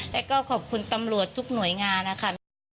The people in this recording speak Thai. แล้วก็ขอบคุณตำรวจทุกหน่วยงานนะคะ